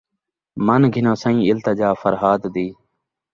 من گھنو سئیں التجا فرھاد دی